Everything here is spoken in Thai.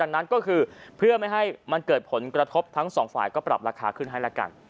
ดังนั้นก็คือเพื่อไม่ให้มันเกิดผลกระทบทั้งสองฝ่ายก็ปรับราคาขึ้นให้ละกัน